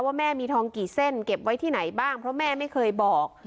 ว่าแม่มีทองกี่เส้นเก็บไว้ที่ไหนบ้างเพราะแม่ไม่เคยบอก